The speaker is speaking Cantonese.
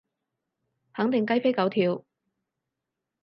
肯定雞飛狗跳